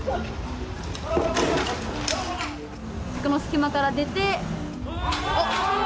その隙間から出て。